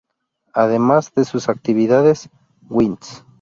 Además de sus actividades, w-inds.